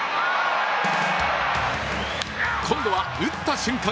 今度は打った瞬間